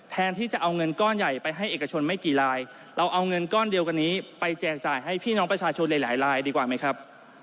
ที่จะเอาเงินก้อนใหญ่ไปให้เอกชนไม่กี่ลายเราเอาเงินก้อนเดียวกันนี้ไปแจกจ่ายให้พี่น้องประชาชนหลายลายดีกว่าไหมครับ